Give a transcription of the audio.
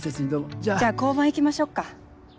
じゃあ交番行きましょっか。